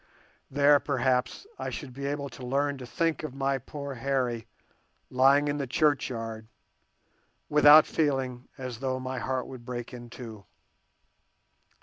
There, perhaps, I should be able to learn to think of poor Harry lying in the churchyard, without feeling as though my heart would break in two.